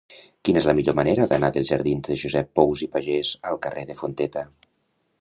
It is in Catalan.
Quina és la millor manera d'anar dels jardins de Josep Pous i Pagès al carrer de Fonteta?